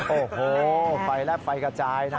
โอ้โหไฟแลบไฟกระจายนะ